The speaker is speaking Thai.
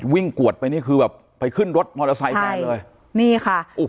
กวดไปนี่คือแบบไปขึ้นรถมอเตอร์ไซค์แทนเลยนี่ค่ะโอ้โห